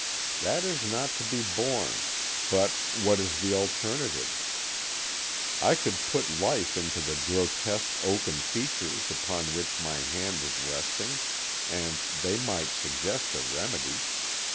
That is not to be borne, but what is the alternative? I could put life into the grotesque oaken features upon which my hand is resting, and they might suggest a remedy.